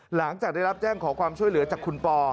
หลังจากได้รับแจ้งขอความช่วยเหลือจากคุณปอ